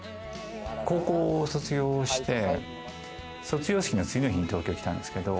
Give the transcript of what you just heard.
高校を卒業して卒業式の次の日に東京来たんですけれども。